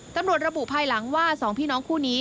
ตำรวจระบุภายหลังว่า๒พี่น้องคู่นี้